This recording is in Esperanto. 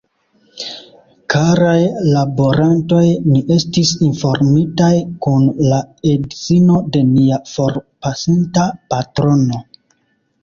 Karaj laborantoj, ni estis informitaj kun la edzino de nia forpasinta patrono